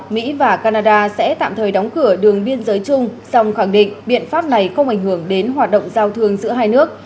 mỹ và canada sẽ tạm thời đóng cửa đường biên giới chung song khẳng định biện pháp này không ảnh hưởng đến hoạt động giao thương giữa hai nước